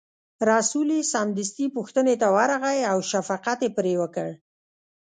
رسول یې سمدستي پوښتنې ته ورغی او شفقت یې پرې وکړ.